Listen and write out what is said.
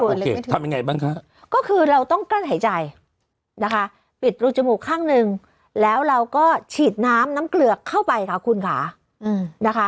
ทำยังไงบ้างคะก็คือเราต้องกลั้นหายใจนะคะปิดรูจมูกข้างหนึ่งแล้วเราก็ฉีดน้ำน้ำเกลือกเข้าไปค่ะคุณค่ะนะคะ